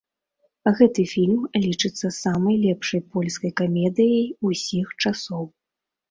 Гэты фільм лічыцца самай лепшай польскай камедыяй усіх часоў.